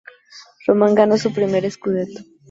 Roma ganó su primer "scudetto".